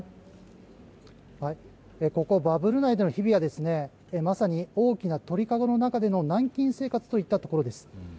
ここ、バブル内での日々はまさに大きな鳥かごの中での軟禁生活といったところです。